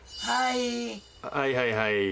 はいはいはい。